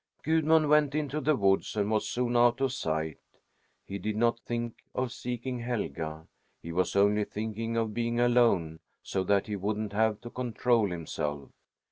Gudmund went into the woods and was soon out of sight. He did not think of seeking Helga; he was only thinking of being alone, so that he wouldn't have to control himself.